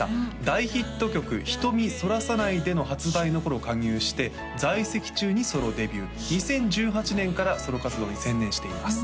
大ヒット曲「瞳そらさないで」の発売の頃加入して在籍中にソロデビュー２０１８年からソロ活動に専念しています